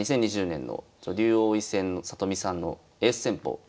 ２０２０年の女流王位戦の里見さんのエース戦法。